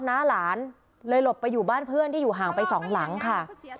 หน้าหลานเลยหลบไปอยู่บ้านเพื่อนที่อยู่ห่างไปสองหลังค่ะ